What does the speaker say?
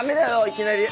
いきなり。